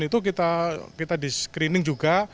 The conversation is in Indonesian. pemkot untuk kesehatan itu kita di screening juga